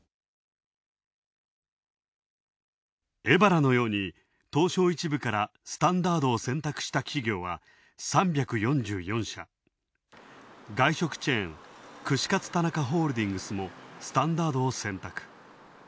エバラのように、東証１部からスタンダードを選択した企業は３４４社、外食チェーン、串カツ田中ホールディングスもスタンダードを選択。